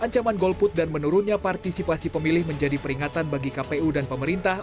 ancaman golput dan menurunnya partisipasi pemilih menjadi peringatan bagi kpu dan pemerintah